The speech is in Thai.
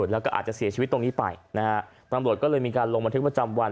แล้วก็อาจจะเสียชีวิตตรงนี้ไปนะฮะตำรวจก็เลยมีการลงบันทึกประจำวัน